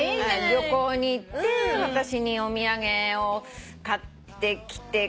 旅行に行って私にお土産を買ってきてくれる。